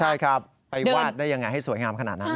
ใช่ครับไปวาดได้ยังไงให้สวยงามขนาดนั้น